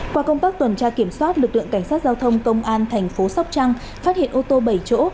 qua công tác tuần tra kiểm soát lực lượng cảnh sát giao thông công an thành phố sóc trăng phát hiện ô tô bảy chỗ